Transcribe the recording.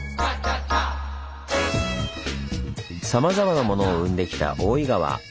さまざまなものを生んできた大井川。